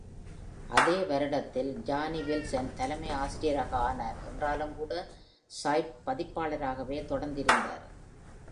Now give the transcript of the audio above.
அதே வருடததில், Johnny Wilson தலைமை-ஆசிரியராக ஆனார், என்றாலும் கூட Sipe பதிப்பாளராகவே தொடர்ந்து இருந்தார்.